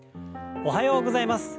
おはようございます。